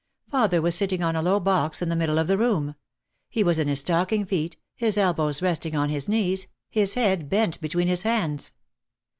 Father was sitting on a low box in the middle of the room. He was in his stock ing feet, his elbows resting on his knees, his head bent between his hands.